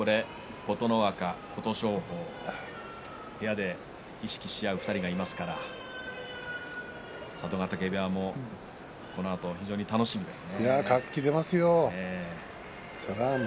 琴ノ若、琴勝峰部屋で意識し合う２人がいますから佐渡ヶ嶽部屋もこのあと非常に楽しみですね。